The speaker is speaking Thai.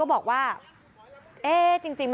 เลิกเลิกเลิกเลิก